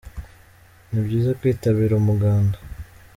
Nibyiza kwitabira umuganda.